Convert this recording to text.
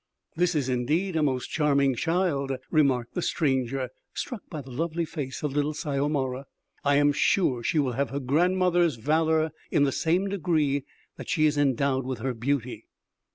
"This is indeed a most charming child," remarked the stranger struck by the lovely face of little Syomara. "I am sure she will have her grandmother's valor in the same degree that she is endowed with her beauty."